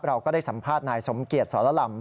เราก็ได้สัมภาษณ์นายสมเกียจสรลำ